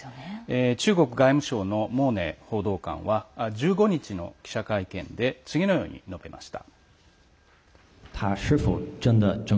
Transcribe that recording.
中国外務省の毛寧報道官は１５日の記者会見で次のように述べました。